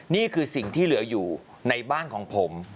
นี่คือสิ่งที่เหลืออยู่ในบ้านของผม